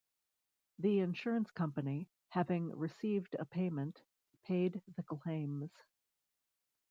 The insurance company, having received a payment, paid the claims.